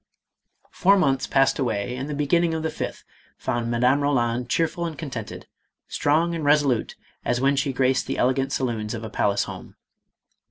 Four months passed away and the beginning of the fifth, found Madame Roland cheerful and contented, strong and resolute as when she graced the elegant saloons of a palace home.